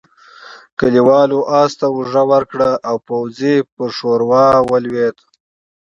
کليوالو آس ته اوږه ورکړه او پوځي پر ښوروا ولوېد.